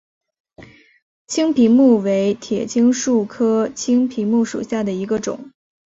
青皮木为铁青树科青皮木属下的一个种。